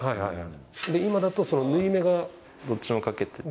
今だと、その縫い目が。どっちもかけてる。